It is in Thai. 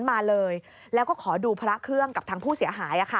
มาเลยแล้วก็ขอดูพระเครื่องกับทางผู้เสียหาย